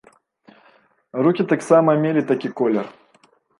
Рукі таксама мелі такі колер.